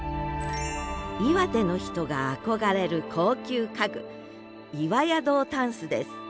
岩手の人が憧れる高級家具岩谷堂箪笥です。